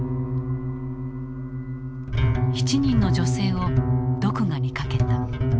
７人の女性を毒牙にかけた。